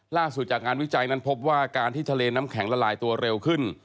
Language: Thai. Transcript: จากงานวิจัยนั้นพบว่าการที่ทะเลน้ำแข็งละลายตัวเร็วขึ้น